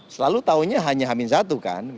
selalu tahunya hanya hamil satu kan